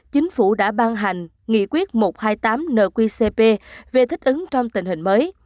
chính phủ đã ban hành nghị quyết một trăm hai mươi tám nqcp về thích ứng trong tình hình mới